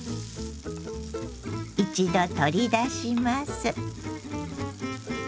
一度取り出します。